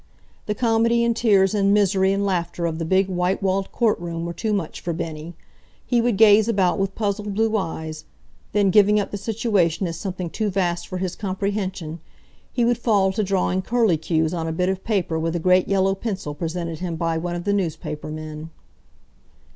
The comedy and tears and misery and laughter of the big, white walled court room were too much for Bennie. He would gaze about with puzzled blue eyes; then, giving up the situation as something too vast for his comprehension, he would fall to drawing curly cues on a bit of paper with a great yellow pencil presented him by one of the newspaper men.